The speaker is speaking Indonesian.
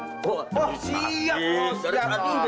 oh siap bos